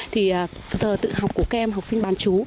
thì giờ tự học của các em học sinh bán chú